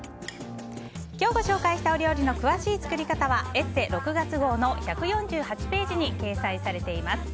今日、ご紹介した料理の詳しい作り方は「ＥＳＳＥ」６月号の１４８ページに掲載されています。